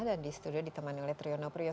dan di studio ditemani oleh triyono priyoso